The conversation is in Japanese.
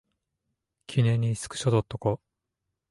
記念にスクショ撮っとこ